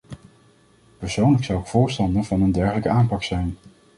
Persoonlijk zou ik voorstander van een dergelijke aanpak zijn.